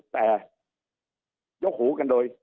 แต่ยกหูกันโดย